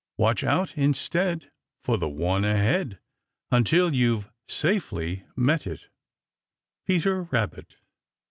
Watch out instead for the one ahead Until you've safely met it, Peter Rabbit.